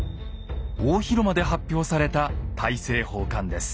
大広間で発表された大政奉還です。